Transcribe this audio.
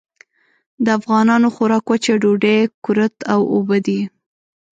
د افغانانو خوراک وچه ډوډۍ، کُرت او اوبه دي.